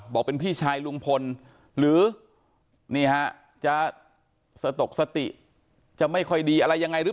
บอกเป็นพี่ชายลุงพลหรือนี่ฮะจะสตกสติจะไม่ค่อยดีอะไรยังไงหรือ